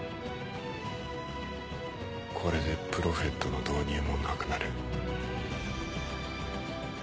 これでプロフェットの導入もなくなる。